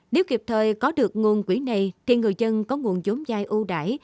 nếu kịp thời có được nguồn quỹ này thì người dân có nguồn giống dai ưu đải